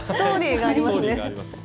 ストーリーがありますね。